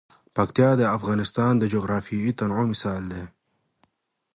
پکتیا د افغانستان د جغرافیوي تنوع مثال دی.